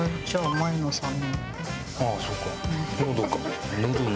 前野さん。